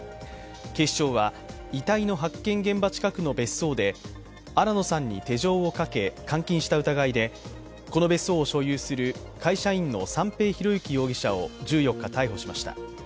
警視庁は遺体の発見現場近くの別荘で新野さんに手錠をかけ、監禁した疑いでこの別荘を所有する会社員の三瓶博幸容疑者を１４日、逮捕しました。